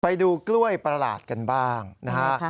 ไปดูกล้วยประหลาดกันบ้างนะฮะ